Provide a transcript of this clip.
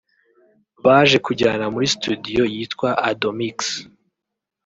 Baje kujyana muri studio yitwa Adomix